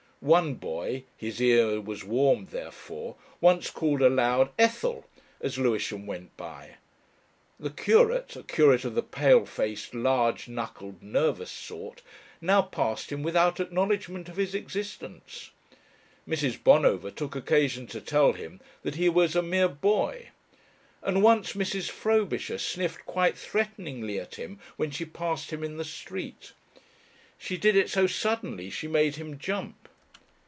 One boy his ear was warmed therefor once called aloud "Ethel," as Lewisham went by. The curate, a curate of the pale faced, large knuckled, nervous sort, now passed him without acknowledgment of his existence. Mrs. Bonover took occasion to tell him that he was a "mere boy," and once Mrs. Frobisher sniffed quite threateningly at him when she passed him in the street. She did it so suddenly she made him jump.